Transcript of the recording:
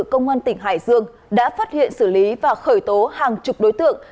công an tỉnh hải dương đã phát hiện xử lý và khởi tố hàng chục đối tượng